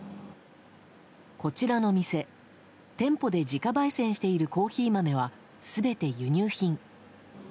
こちらの店、店舗で自家焙煎しているコーヒー豆は全て輸入品。